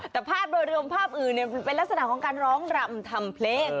แต่ภาพโดยรวมภาพอื่นเป็นลักษณะของการร้องรำทำเพลง